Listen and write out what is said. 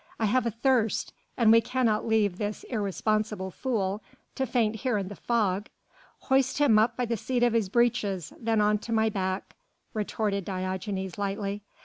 "I have a thirst ... and we cannot leave this irresponsible fool to faint here in the fog." "Hoist him up by the seat of his breeches, then on to my back," retorted Diogenes lightly.